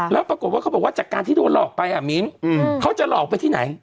แล้วปรากฏว่าเขาบอกว่าจากการที่โดนหลอกไปอ่ะมิ้นเขาจะหลอกไปที่ไหน